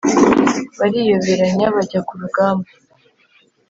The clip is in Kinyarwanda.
bariyoberanya bajya ku rugamba